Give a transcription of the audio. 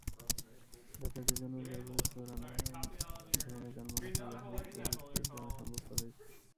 যাতায়াতের জন্য ব্যবহূত নানা ধরনের যানবাহনের সুবিধা একমাত্র প্রযুক্তির কারণে সম্ভবপর হয়েছে।